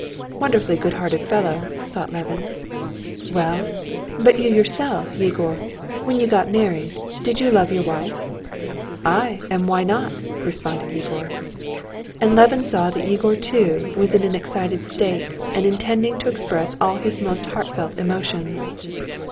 "Wonderfully good hearted fellow!" thought Levin. "Well, but you yourself, Yegor, when you got married, did you love your wife?" "Ay! and why not?" responded Yegor. And Levin saw that Yegor too was in an excited state and intending to express all his most heartfelt emotions.